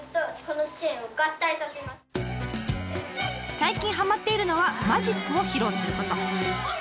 最近はまっているのはマジックを披露すること。